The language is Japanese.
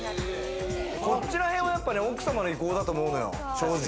こちら辺は奥様の意向だと思うのよ、正直。